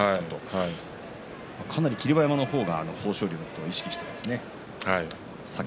かなり霧馬山の方が豊昇龍のことを意識していますね。